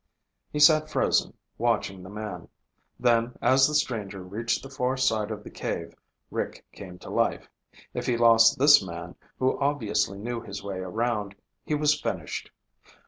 He sat frozen, watching the man. Then, as the stranger reached the far side of the cave, Rick came to life. If he lost this man, who obviously knew his way around, he was finished!